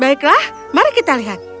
baiklah mari kita lihat